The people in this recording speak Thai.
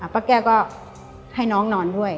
ป้าแก้วก็ให้น้องนอนด้วย